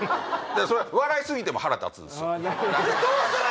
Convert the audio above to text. それ笑い過ぎても腹立つんすよ。